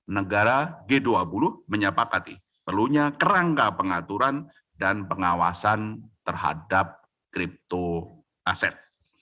negara g dua puluh menyepakati perlunya kerangka pengaturan dan pengawasan terhadap kripto aset